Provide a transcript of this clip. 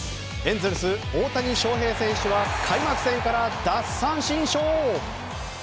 エンゼルス、大谷翔平選手は開幕戦から奪三振ショー！